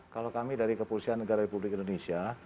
kalau kami dari kepolisian negara republik indonesia